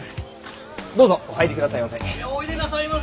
どうぞお入り下さいませ。